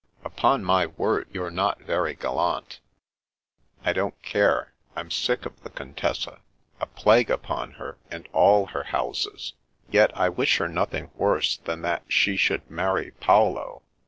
" Upon my word, you're not very gallant." "1 don't care. I'm sick of the Contessa. A plague upon her, and all her houses. Yet, I wish her nothing worse than that she should marry Paolo.